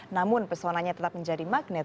namun pesonanya tetap menjadi magnet